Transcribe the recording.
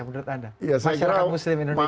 menurut anda masyarakat muslim indonesia